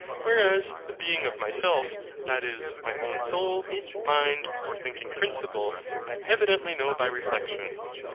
Whereas the being of my Self, that is, my own soul, mind, or thinking principle, I evidently know by reflexion.